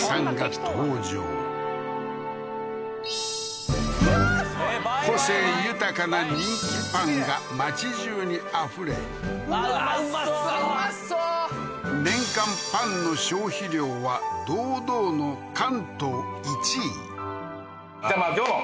すごい個性豊かな人気パンが街じゅうにあふれ美味そう年間パンの消費量は堂々の関東１位じゃあ今日の